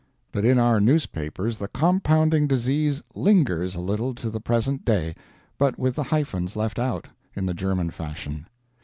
But in our newspapers the compounding disease lingers a little to the present day, but with the hyphens left out, in the German fashion.